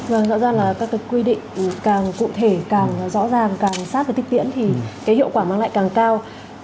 rõ ràng là các cái quy định càng cụ thể càng rõ ràng càng sát và tích tiễn thì cái hiệu quả mang lại càng cao